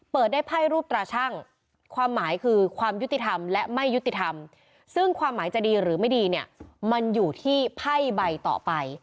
เปิดได้ไพ่รูปตราชั่งความหมายคือความยุติธรรมและไม่ยุติธรรมซึ่งความหมายจะดีหรือไม่ดีเนี่ยมันอยู่ที่ไพ่ใบต่อไป